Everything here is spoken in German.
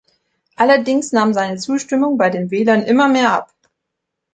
Allerdings nahm seine Zustimmung bei den Wählern immer mehr ab.